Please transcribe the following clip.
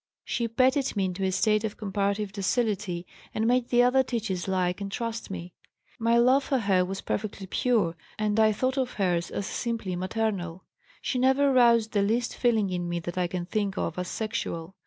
She petted me into a state of comparative docility and made the other teachers like and trust me. My love for her was perfectly pure, and I thought of her's as simply maternal. She never roused the least feeling in me that I can think of as sexual.